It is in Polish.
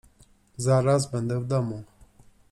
Zaraz będę w domu!